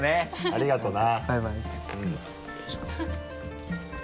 ありがとうな。